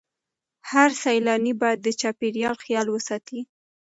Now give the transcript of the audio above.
هر سیلانی باید د چاپیریال خیال وساتي.